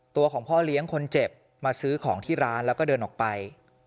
ตัวของพ่อเลี้ยงคนเจ็บมาซื้อของที่ร้านแล้วก็เดินออกไป